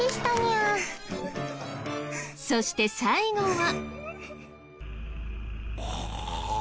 そして最後は。